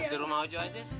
di rumah ojo aja